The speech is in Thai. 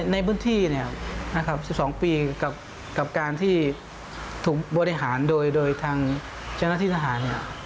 ในบื้นที่๑๒ปีกับการที่ถูกบริหารโดยทางชนะที่ทหาร